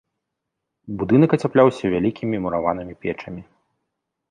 Будынак ацяпляўся вялікімі мураванымі печамі.